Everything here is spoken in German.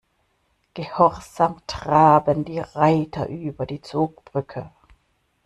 Gehorsam traben die Reiter über die Zugbrücke.